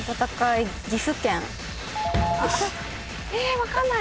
分かんない！